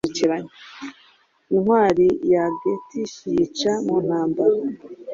Intwari ya Geatish yica mu ntambara